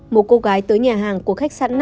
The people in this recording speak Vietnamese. một cô gái tới nhà hàng của khách sạn